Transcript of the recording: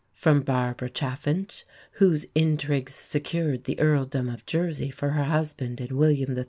From Barbara Chaffinch, whose intrigues secured the Earldom of Jersey for her husband in William III.'